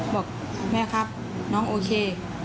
บอกแม่ครับน้องโอเค